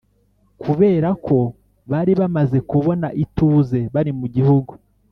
kubera ko bari bamaze kubona ituze bari mu gihugu